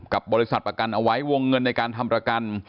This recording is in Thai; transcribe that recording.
กับบริษัทประกันเอาไว้วงเงินในการทำประกัน